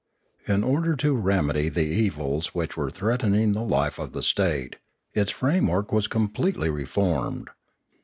In order to remedy the evils which were threatening the life of the state, its framework was completely re formed.